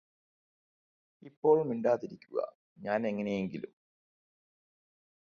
ഇപ്പോൾ മിണ്ടാതിരിക്കുക ഞാന് എങ്ങനെയെങ്കിലും